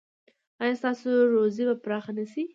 ایا ستاسو روزي به پراخه نه شي؟